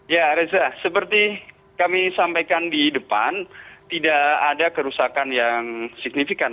ya reza seperti kami sampaikan di depan tidak ada kerusakan yang signifikan